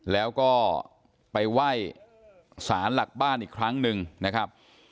แล้วก็ไปไหว้สารหลักบ้านอีกครั้งหนึ่งนะครับ